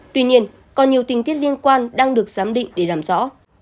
tuy nhiên còn nhiều tình tiết liên quan đang được giám định để làm rõ